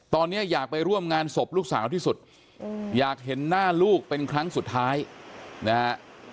ตอนนี้อยากไปร่วมงานศพลูกสาวที่สุดอยากเห็นหน้าลูกเป็นครั้งสุดท้ายนะฮะ